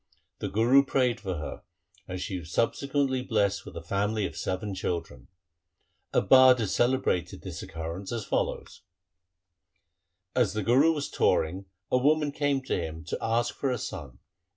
The Guru prayed for her and she was sub sequently blessed with a family of seven children. A bard has celebrated this occurrence as follows :— As the Guru was touring, a woman came to him to ask for a son.